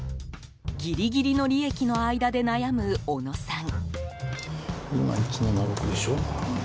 ギリギリの利益の間で悩む小野さん。